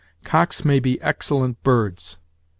Cocks may be excellent birds.